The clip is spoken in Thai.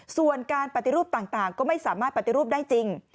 ส่วนการปฏิรูปต่างก็ไม่สามารถปฏิรูปได้จริง